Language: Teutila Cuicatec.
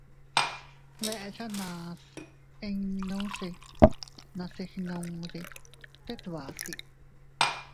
Dechanas innuse nase gnude tet bati.